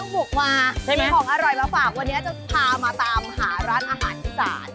มันก็ไม่ต้องบุกมามีของอร่อยมาฝากวันนี้จะพามาตามหาร้านอาหารอิสาน